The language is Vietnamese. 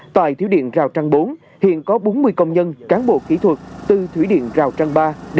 tại thiếu điện rào trăng bốn hiện có bốn mươi công nhân cán bộ kỹ thuật từ thủy điện rào trăng ba